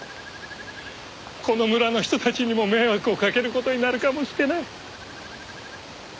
この村の人たちにも迷惑をかける事になるかもしれない。